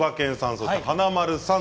そして華丸さん